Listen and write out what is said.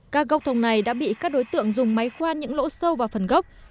các gốc thông này đã bị các đối tượng dùng máy khoan những lỗ sâu vào phần gốc